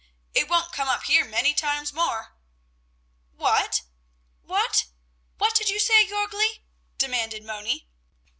"It won't come up here many times more." "What? What? What did you say, Jörgli?" demanded Moni.